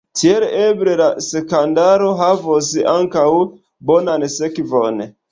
Tiel eble la skandalo havos ankaŭ bonan sekvon.